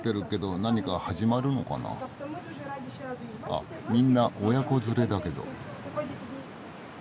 あっみんな親子連れだけど。